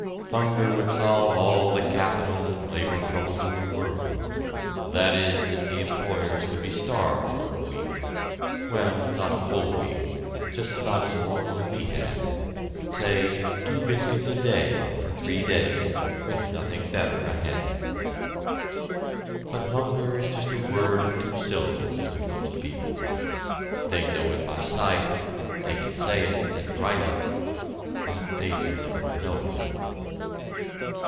Hunger would solve all the capital and labor troubles in the world; that is, if the employers could be starved for a week well, not a whole week just about as long as we had say, two biscuits a day for three days, with nothing better ahead. But hunger is just a word of two syllables to most people. They know it by sight, they can say it and write it, but they do not know it.